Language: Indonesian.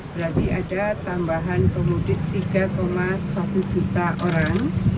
berarti ada tambahan pemudik tiga satu juta orang